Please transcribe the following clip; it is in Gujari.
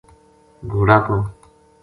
گھوڑو ک